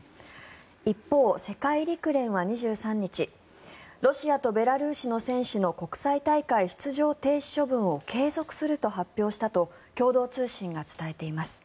一方、世界陸連は２３日ロシアとベラルーシの選手の国際大会出場停止処分を継続すると発表したと共同通信が伝えています。